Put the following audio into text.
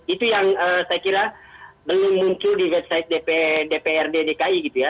itu yang saya kira belum muncul di website dprd dki gitu ya